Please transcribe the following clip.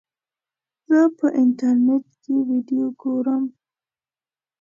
زه په انټرنیټ کې ویډیو ګورم.